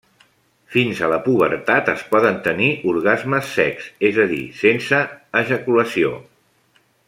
Fins a la pubertat es poden tenir orgasmes secs, és a dir, sense ejaculació.